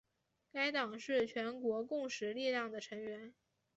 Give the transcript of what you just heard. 该党是全国共识力量的成员。